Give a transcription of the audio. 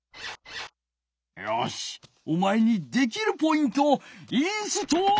よしおまえにできるポイントをインストールじゃ！